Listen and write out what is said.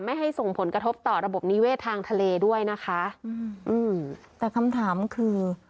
ให้ส่งผลกระทบต่อระบบนิเวศทางทะเลด้วยนะคะอืมอืมแต่คำถามคือ